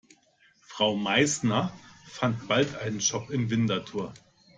Frau Meißner fand bald einen Job in Winterthur.